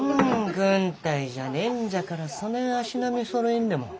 軍隊じゃねんじゃからそねん足並みそろえんでも。